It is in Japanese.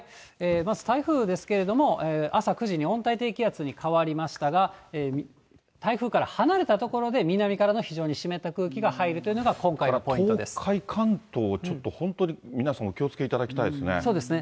まず台風ですけれども、朝９時に温帯低気圧に変わりましたが、台風から離れた所で南からの非常に湿った空気が入るというのが、だから、東海、関東、ちょっと本当に皆さんお気をつけいただきたいですね。